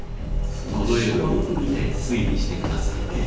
この絵をよく見て推理してください。